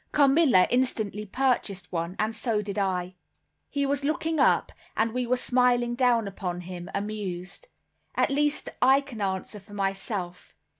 Carmilla instantly purchased one, and so did I. He was looking up, and we were smiling down upon him, amused; at least, I can answer for myself.